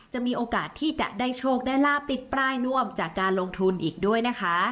มีโอกาสที่จะได้โชคได้ลาบติดปลายนวมจากการลงทุนอีกด้วยนะคะ